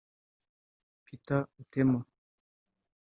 Peter Otema